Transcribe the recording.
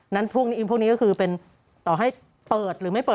นั้นพวกนี้ก็คือเป็นเพราะให้เปิดหรือไม่เปิด